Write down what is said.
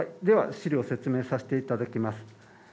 では資料説明させていただきます。